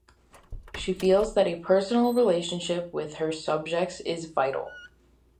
She feels that a personal relationship with her subjects is vital.